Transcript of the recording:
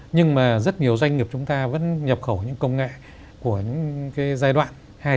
nhưng mà rất nhiều doanh nghiệp chúng ta vẫn nhập khẩu những công nghệ của giai đoạn hai